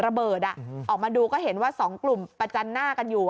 ระเบิดออกมาดูก็เห็นว่าสองกลุ่มประจันหน้ากันอยู่